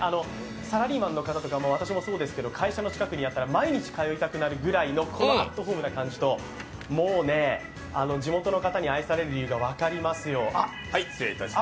サラリーマンの方とか、私もそうですけど会社の近くにあったら毎日通いたくなるぐらいのアットホームな感じともうね、地元の方に愛される理由が分かりますよ。